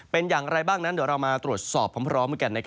เป็นอย่างไรบ้างนั้นเดี๋ยวเรามาตรวจสอบพร้อมกัน